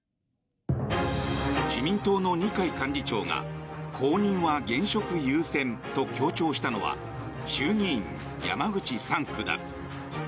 自民党の二階幹事長が公認は現職優先と強調したのは衆議院山口３区だ。